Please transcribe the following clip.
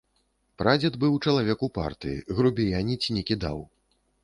Прадзед быў чалавек упарты, грубіяніць не кідаў.